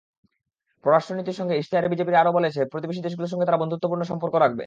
পররাষ্ট্রনীতি প্রসঙ্গে ইশতেহারে বিজেপি আরও বলেছে, প্রতিবেশী দেশগুলোর সঙ্গে তারা বন্ধুত্বপূর্ণ সম্পর্ক রাখবে।